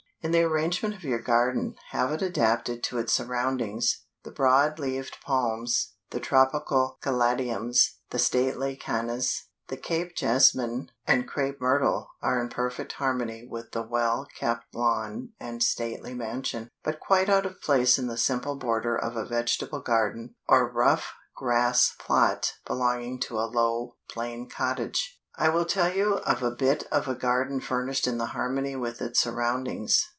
In the arrangement of your garden, have it adapted to its surroundings. The broad leaved Palms, the Tropical Caladiums, the stately Cannas, the Cape Jessamine and Crape Myrtle are in perfect harmony with the well kept lawn and stately mansion, but quite out of place in the simple border of a vegetable garden, or rough grass plot belonging to a low, plain cottage. I will tell you of a bit of a garden furnished in harmony with its surroundings.